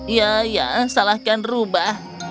ya ya salahkan rubah